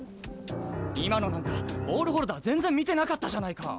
今のなんかボールホルダー全然見てなかったじゃないか！